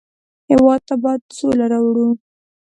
هېواد ته باید سوله راوړو